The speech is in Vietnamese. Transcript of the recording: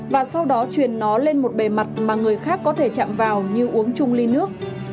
và sau đó truyền nó lên một bề mặt mà người khác có thể chạm vào như uống chung ly nước